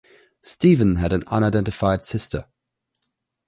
Stephen had an unidentified sister.